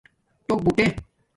ٹݸک بوٹے